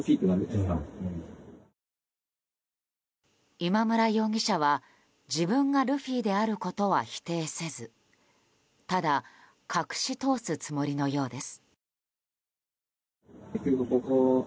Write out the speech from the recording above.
今村容疑者は自分がルフィであることは否定せずただ隠し通すつもりのようです。